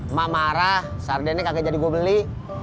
emak marah sardennya kakek jadi gue beli